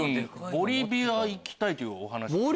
ボリビア行きたいというお話。